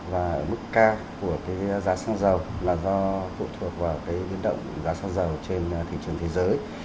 và mức cao của giá xăng dầu là do phụ thuộc vào biến động giá xăng dầu trên thị trường thế giới